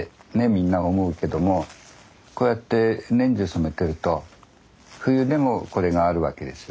みんな思うけどもこうやって年中染めてると冬でもこれがあるわけですよ。